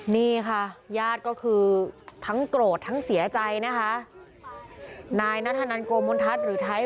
นี่ค่ะญาติก็คือทั้งโกรธทั้งเสียใจนะคะนายนัทธนันโกมนทัศน์หรือไทย